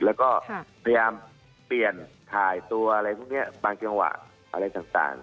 แล้วก็พยายามเปลี่ยนถ่ายตัวอะไรพวกนี้บางจังหวะอะไรต่าง